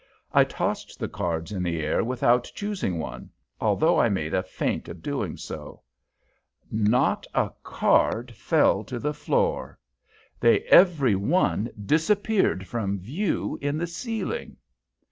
I tossed the cards in the air without choosing one, although I made a feint of doing so. _Not a card fell back to the floor. They every one disappeared from view in the ceiling.